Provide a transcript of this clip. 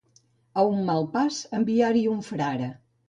A un mal pas, enviar-hi un frare.